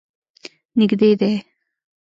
نږدې دی.